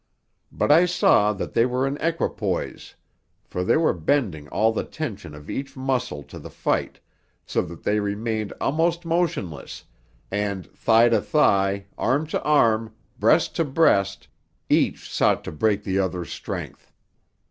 But I saw that they were in equipoise, for they were bending all the tension of each muscle to the fight, so that they remained almost motionless, and, thigh to thigh, arm to arm, breast to breast, each sought to break the other's strength.